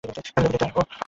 আমি তোকে দেখতে আসবো।